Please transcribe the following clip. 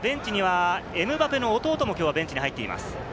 エムバペの弟もベンチに入っています。